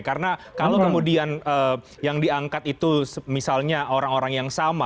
karena kalau kemudian yang diangkat itu misalnya orang orang yang sah